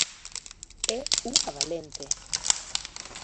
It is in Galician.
É unha valente.